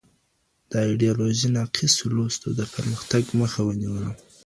د ایډیالوژۍ ناقصو لوستو د پرمختګ مخه ونیوله.